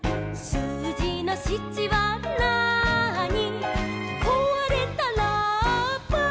「すうじの８はなーに」